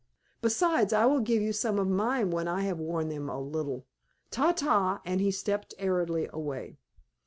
Besides, I will give you some of mine when I have worn them a little. Ta ta!" And he stepped airily away.